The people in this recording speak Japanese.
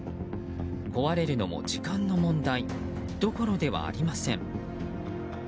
壊れるのも時間の問題どころではありません。